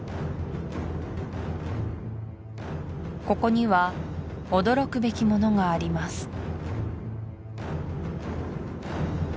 ここには驚くべきものがあります